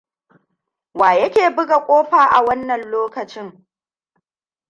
Waye yake buga ƙofa wannan a lokacin?